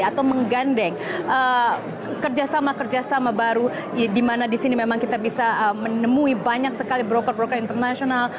atau menggandeng kerjasama kerjasama baru di mana di sini memang kita bisa menemui banyak sekali broker broker internasional